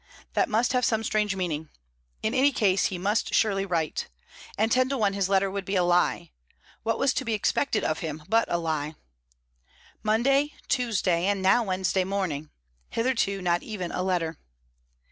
That must have some strange meaning. In any case, he must surely write. And ten to one his letter would be a lie. What was to be expected of him but a lie? Monday, Tuesday, and now Wednesday morning. Hitherto not even a letter.